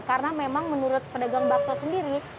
karena memang menurut pedagang bakso sendiri